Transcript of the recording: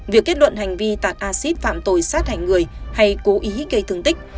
việc kết luận hành vi tạt acid phạm tội sát hại người hay cố ý gây thương tích